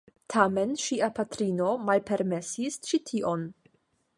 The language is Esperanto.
Tamen ŝia patrino malpermesis ĉi-tion.